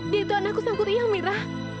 dia itu anakku sang kurian mira